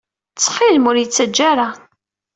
Ttxil-m, ur iyi-ttaǧǧa ara!